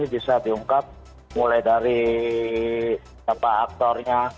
bisa diungkap mulai dari siapa aktornya